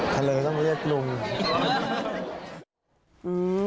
ทะเลต้องเรียกพี่ทะเลต้องเรียกลุง